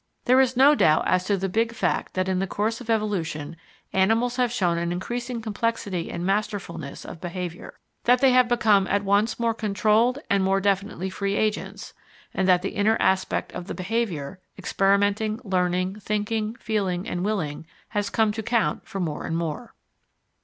There is no doubt as to the big fact that in the course of evolution animals have shown an increasing complexity and masterfulness of behaviour, that they have become at once more controlled and more definitely free agents, and that the inner aspect of the behaviour experimenting, learning, thinking, feeling, and willing has come to count for more and more.